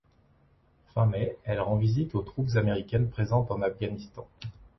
Fin mai, elle rend visite aux troupes américaines présentes en Afghanistan.